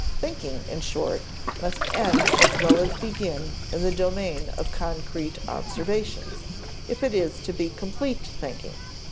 Thinking, in short, must end as well as begin in the domain of concrete observations, if it is to be complete thinking.